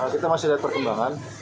kita masih lihat perkembangan